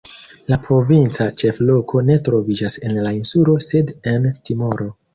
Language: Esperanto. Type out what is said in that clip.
La provinca ĉefloko ne troviĝas en la insulo sed en Timoro.